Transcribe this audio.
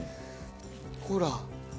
ほら。